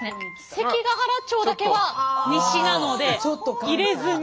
関ケ原町だけは西なので入れずに。